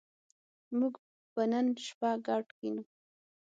موږ به نن شپه ګډ کېنو